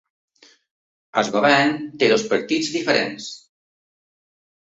El govern té dos partits diferents.